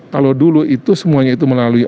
kalau dulu itu semuanya itu melalui